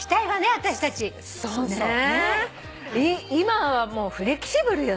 今はもうフレキシブルよね。